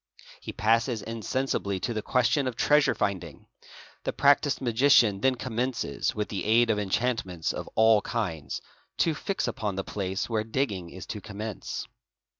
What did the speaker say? He passes insensibly to the question of treasure finding. The practised magician then commences, with the aid of enchantments of all kinds, to fix upon the place where digging is to commence.